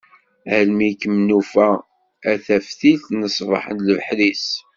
Almi i kem-nufa, a taftilt n ṣṣbeḥ n leḥris.